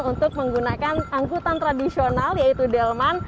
untuk menggunakan angkutan tradisional yaitu delman